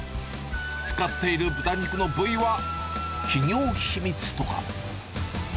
使っている豚肉の部位は、企業秘密とか。